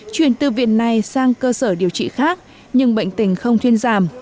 chuyển từ viện này sang cơ sở điều trị khác nhưng bệnh tình không thuyên giảm